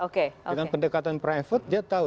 dengan pendekatan private dia tahu